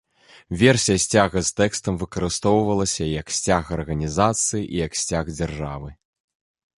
Версія сцяга з тэкстам выкарыстоўвалася і як сцяг арганізацыі, і як сцяг дзяржавы.